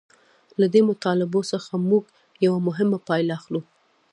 له دې مطالبو څخه موږ یوه مهمه پایله اخلو